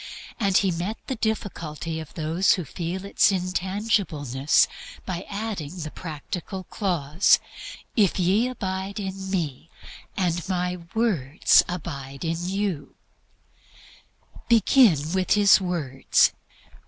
And He partly met the difficulty of those who feel its intangibleness by adding the practical clause, "If ye abide in Me, and My words abide in you." Begin with His words.